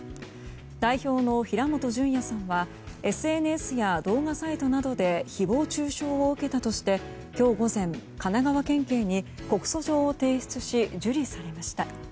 代表の平本淳也さんはＳＮＳや動画サイトなどで誹謗中傷を受けたとして今日午前、神奈川県警に告訴状を提出し受理されました。